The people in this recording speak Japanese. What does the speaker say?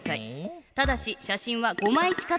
ただし写真は５まいしかとれません。